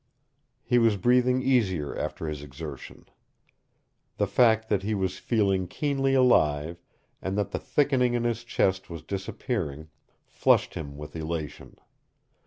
He was breathing easier after his exertion. The fact that he was feeling keenly alive, and that the thickening in his chest was disappearing, flushed him with elation.